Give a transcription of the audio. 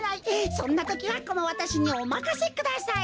そんなときはこのわたしにおまかせください。